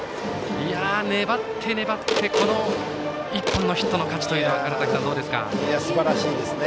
粘って粘って、この１本のヒットの価値は川原崎さん、どうですか？